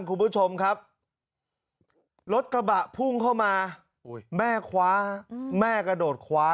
คุณผู้ชมครับรถกระบะพุ่งเข้ามาแม่คว้าแม่กระโดดคว้า